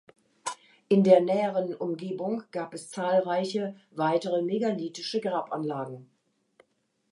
In der näheren Umgebung gab es zahlreiche weitere megalithische Grabanlagen.